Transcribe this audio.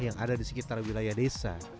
yang ada di sekitar wilayah desa